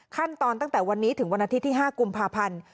ตั้งแต่วันนี้ถึงวันอาทิตย์ที่๕กุมภาพันธ์